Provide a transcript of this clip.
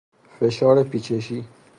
فشار پیچشی